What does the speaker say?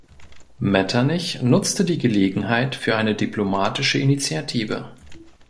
Metternich nutzte die Gelegenheit für eine diplomatische Initiative.